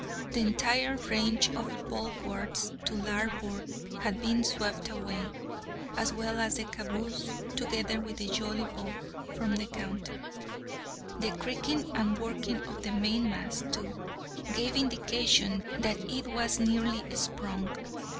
The entire range of bulwarks to larboard had been swept away, as well as the caboose, together with the jollyboat from the counter. The creaking and working of the mainmast, too, gave indication that it was nearly sprung.